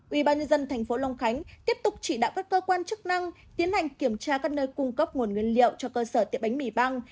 ubnd tp long khánh tiếp tục chỉ đạo các cơ quan chức năng tiến hành kiểm tra các nơi cung cấp nguồn nguyên liệu cho cơ sở tiệm bánh mì băng